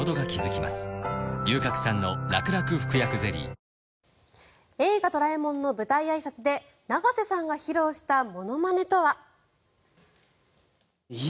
東京海上日動「映画ドラえもん」の舞台あいさつで永瀬さんが披露したものまねとは？